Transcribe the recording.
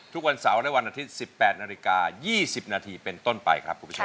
ทุกวันเสาร์และวันอาทิตย์๑๘นาฬิกา๒๐นาทีเป็นต้นไปครับคุณผู้ชม